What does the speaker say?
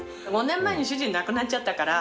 ５年前に主人亡くなっちゃったから。